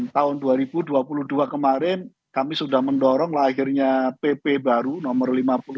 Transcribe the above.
tahun dua ribu dua puluh dua kemarin kami sudah mendorong lahirnya pp baru nomor lima puluh dua